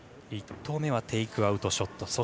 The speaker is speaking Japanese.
１投目はテイクアウトショット。